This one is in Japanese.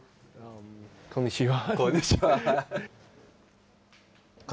こんにちは。